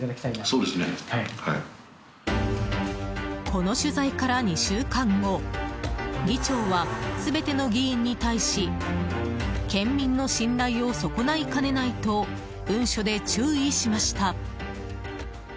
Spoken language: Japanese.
この取材から２週間後議長は、全ての議員に対し県民の信頼を損ないかねないと文書で注意しました。